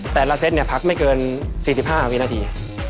แต่ละเซตพักไม่เกิน๔๕วินาที